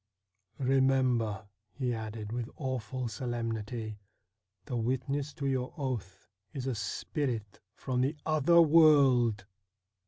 ' Remember,' he added with awful solemnity, ' the witness to your oath is a spirit from the other world